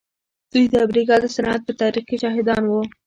دوی د امريکا د صنعت په تاريخ کې شاهدان وو.